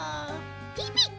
ピピッ！